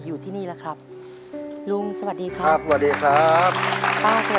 อยู่ที่นี่แล้วครับลุงสวัสดีครับครับสวัสดีครับป้าสวัสดี